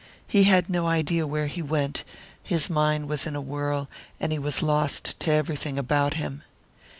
He had no idea where he went; his mind was in a whirl, and he was lost to everything about him.